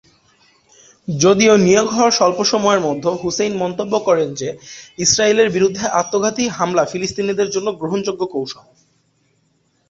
যদিও নিয়োগ হওয়ার স্বল্প সময়ের মধ্যে হুসেইন মন্তব্য করেন যে ইসরায়েলের বিরুদ্ধে আত্মঘাতী হামলা ফিলিস্তিনিদের জন্য গ্রহণযোগ্য কৌশল।